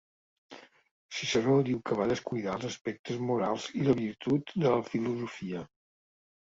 Ciceró diu que va descuidar els aspectes morals i de virtut de la filosofia.